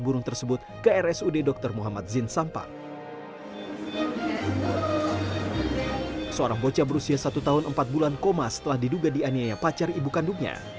seorang bocah berusia satu tahun empat bulan koma setelah diduga dianiaya pacar ibu kandungnya